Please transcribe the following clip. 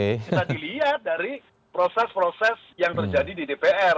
kita dilihat dari proses proses yang terjadi di dpr